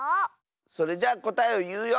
それじゃこたえをいうよ！